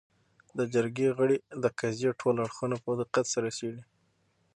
. د جرګې غړي د قضیې ټول اړخونه په دقت سره څېړي